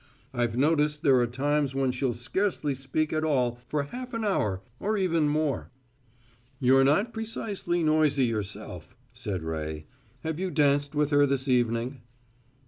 I've noticed there are times when she'll scarcely speak at all for half an hour, or even more." "You're not precisely noisy yourself," said Ray. "Have you danced with her this evening?"